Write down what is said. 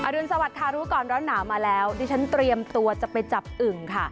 รุนสวัสดิ์รู้ก่อนร้อนหนาวมาแล้วดิฉันเตรียมตัวจะไปจับอึ่งค่ะ